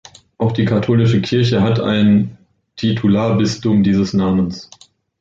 Auch die katholische Kirche hat ein Titularbistum dieses Namens.